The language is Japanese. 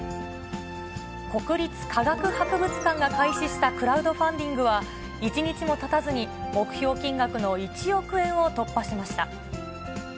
国立科学博物館が開始したクラウドファンディングは、１日もたたずに目標金額の１億円を突破しました。